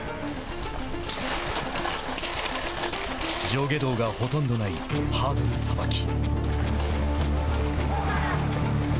上下動がほとんどないハードルさばき。